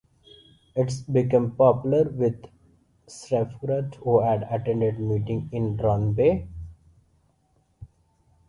It became popular with suffragettes who had attended meetings in Ronneby.